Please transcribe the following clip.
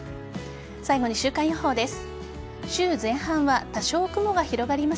最後に週間予報です。